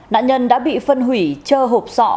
nạn nhân đã bị phân hủy chơ hộp sọ